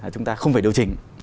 chúng ta không phải điều trình